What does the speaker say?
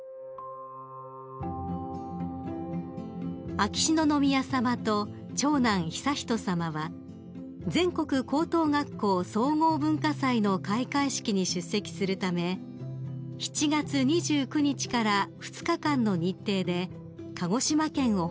［秋篠宮さまと長男悠仁さまは全国高等学校総合文化祭の開会式に出席するため７月２９日から２日間の日程で鹿児島県を訪問されました］